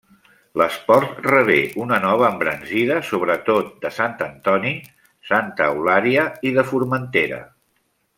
L'esport rebé una nova embranzida sobretot de Sant Antoni, Santa Eulària i de Formentera.